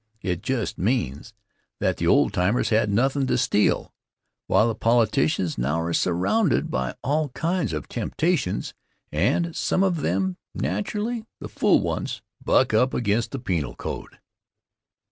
It just means that the old timers had nothin' to steal, while the politicians now are surrounded by all kinds of temptations and some of them naturally the fool ones buck up against the penal code.